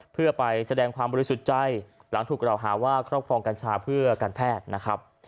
เพื่อไปแสดงความบริสุทธิ์ใจหลังถูกกล่าวหาว่าครอบครองกัญชาเพื่อการแพทย์นะครับ